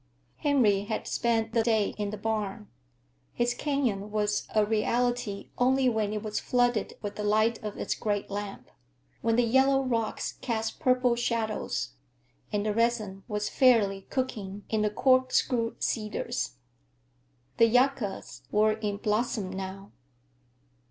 Henry had spent the day in the barn; his canyon was a reality only when it was flooded with the light of its great lamp, when the yellow rocks cast purple shadows, and the resin was fairly cooking in the corkscrew cedars. The yuccas were in blossom now.